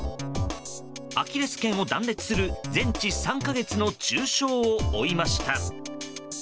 アキレス腱を断裂する全治３か月の重傷を負いました。